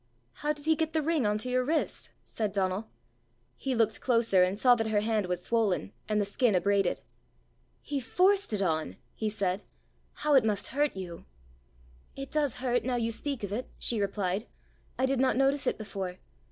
"How did he get the ring on to your wrist?" said Donal. He looked closer and saw that her hand was swollen, and the skin abraded. "He forced it on!" he said. "How it must hurt you!" "It does hurt now you speak of it," she replied. "I did not notice it before.